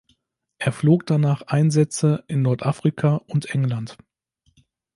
Er flog danach Einsätze in Nordafrika und England.